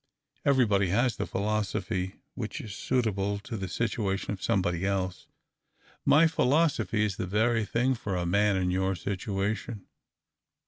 Eveiybody has the philosophy which is suitable to the situation of somebody else. My philo sophy is the very thing for a man in your situation.